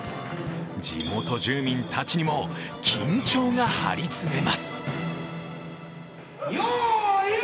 地元住民たちにも緊張が張り詰めます。